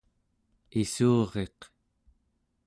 issuriq